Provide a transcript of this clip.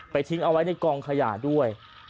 ทิ้งเอาไว้ในกองขยะด้วย